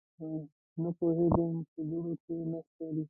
_نه پوهېږم، په دوړو کې نه ښکاري.